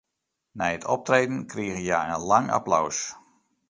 Nei it optreden krigen hja in lang applaus.